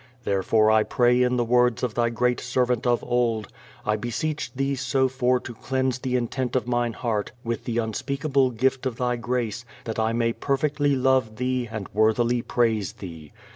Therefore I pray in the words of Thy great servant of old, "I beseech Thee so for to cleanse the intent of mine heart with the unspeakable gift of Thy grace, that I may perfectly love Thee and worthily praise Thee."